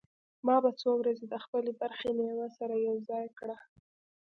ما به څو ورځې د خپلې برخې مېوه سره يوځاى کړه.